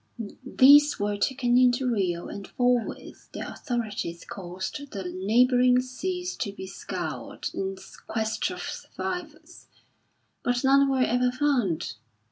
These were taken into Rio and forthwith the authorities caused the neighbouring seas to be scoured in quest of survivors; but none were ever found.